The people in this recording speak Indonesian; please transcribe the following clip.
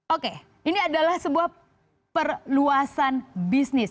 oke ini adalah sebuah perluasan bisnis